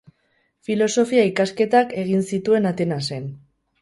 Filosofia ikasketak egin zituen Atenasen.